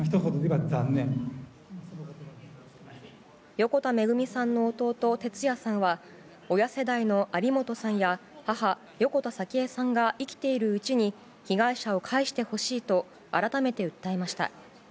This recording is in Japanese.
横田めぐみさんの弟哲也さんは、親世代の有本さんや母・横田早紀江さんが生きているうちに被害者を返してほしいと改めて訴えました。